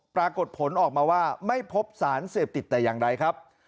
ปรากฏผลออกมาว่าไม่พบสารเสพติดแต่อย่างใดครับ